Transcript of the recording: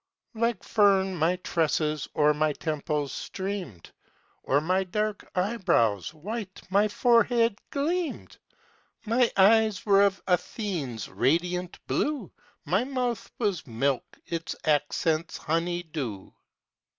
Like fern my tresses o'er my temples streamed; O'er my dark eyebrows, white my forehead gleamed: My eyes were of Athenè's radiant blue, My mouth was milk, its accents honeydew.